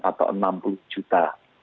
atau enam puluh juta